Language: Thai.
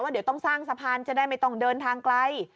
เดี๋ยวต้องสร้างสะพานจะได้ไม่ต้องเดินทางไกล